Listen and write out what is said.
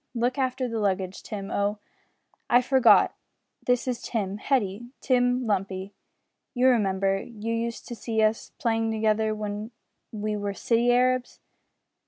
Look after the luggage, Tim Oh! I forgot. This is Tim, Hetty Tim Lumpy. You remember, you used to see us playing together when we were city Arabs."